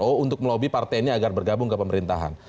oh untuk melobi partai ini agar bergabung ke pemerintahan